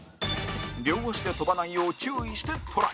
両足で跳ばないよう注意してトライ